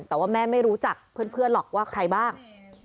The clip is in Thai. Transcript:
แต่ว่าแม่ไม่รู้จักเพื่อนหรอกว่าใครบ้าง